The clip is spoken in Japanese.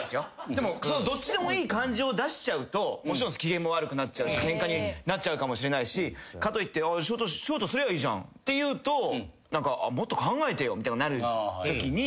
でもそのどっちでもいい感じを出しちゃうともちろん機嫌も悪くなっちゃうしケンカになっちゃうかもしれないしかといってショートすりゃいいじゃんって言うと「もっと考えてよ」みたくなるときに。